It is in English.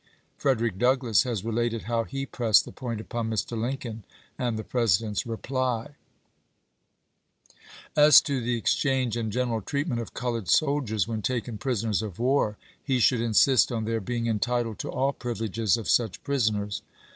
Frederick Douglass has , related how he pressed the point upon Mr. Lincoln, and the Presi dent's reply : As to the exchange and general treatment of colored soldiers when taken prisoners of war, he should insist on their being entitled to all privileges of such prisoners.